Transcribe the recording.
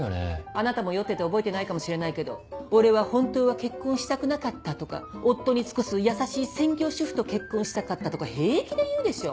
あなたも酔ってて覚えてないかもしれないけど「俺は本当は結婚したくなかった」とか「夫に尽くす優しい専業主婦と結婚したかった」とか平気で言うでしょ？